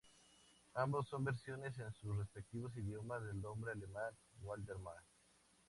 Ambos son versiones en sus respectivos idiomas del nombre alemán "Waldemar".